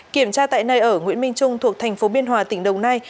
kiểm tra tại nơi ở nguyễn minh trung thuộc thành phố biên hòa tỉnh đồng nai